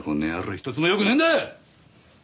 一つも良くねえんだよ！